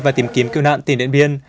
và tìm kiếm cứu nạn tỉnh điện biên